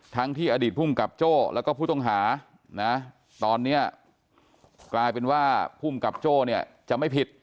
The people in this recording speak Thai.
ทั้งที่อดีตภูมิกับโจ้และผู้ต้องหาตอนนี้กลายเป็นว่าภูมิกับโจ้จะไม่ผิด